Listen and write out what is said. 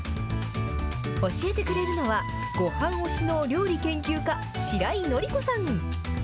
教えてくれるのは、ごはん推しの料理研究家、しらいのりこさん。